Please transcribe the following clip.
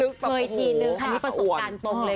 ค่ะอ้าวเท้าะ